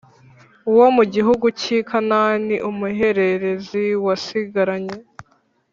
Wo mu gihugu cy i kanani umuhererezi yasigaranye